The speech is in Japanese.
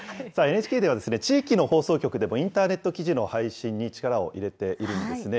ＮＨＫでは、地域の放送局でもインターネット記事の配信に力を入れているんですね。